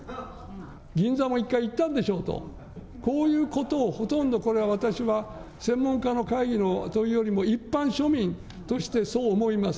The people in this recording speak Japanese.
銀座も一回行ったんでしょうと、こういうことを、ほとんどこれは、私は専門家の会議のというよりも、一般庶民としてそう思います。